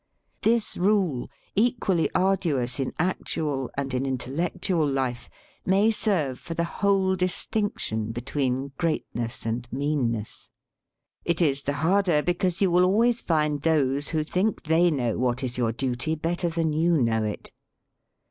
This rule, equally arduous in actual and in in tellectual life, may serve for the whole distinc tion between greatness and meanness. It is the harder because you will always find those who think they know what is your duty better than you know it.